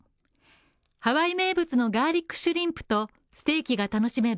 ハワイ名物のガーリックシュリンプとステーキが楽しめる